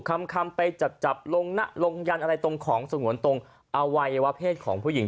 คำไปจับจับลงยันอะไรตรงของสงวนตรงอวัยวะเพศของผู้หญิง